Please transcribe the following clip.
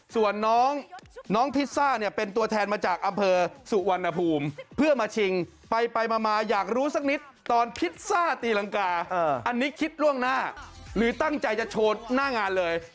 ส่วนน้องพิซซ่าเนี่ยเป็นตัวแทนมาจากอำเภอสุวรรณภูมิเพื่อมาชิงไปมาอยากรู้สักนิดตอนพิซซ่าตีรังกาอันนี้คิดล่วงหน้าหรือตั้งใจจะโชว์หน้างานเลย